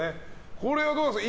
これはどうですか？